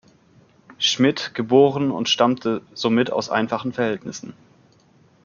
Schmidt geboren und stammte somit aus einfachen Verhältnissen.